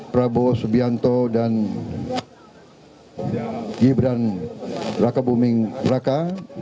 prabowo subianto dan gibran raka buming raka